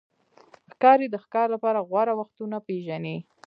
ښکاري د ښکار لپاره غوره وختونه پېژني.